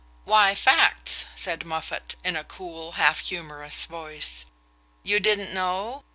"Why, facts," said Moffatt, in a cool half humorous voice. "You didn't know?